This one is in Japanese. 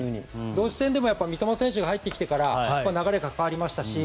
ドイツ戦でも三笘選手が入ってきてから流れが変わりましたし